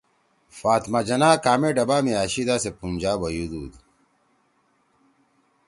فاطمہ جناح کامے ڈبہ می أشیِدا سے پُونجا بیُودُود